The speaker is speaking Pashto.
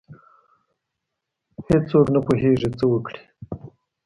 هیڅ څوک نه پوهیږي څه وکړي.